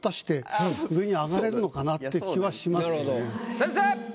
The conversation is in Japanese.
先生！